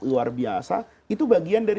luar biasa itu bagian dari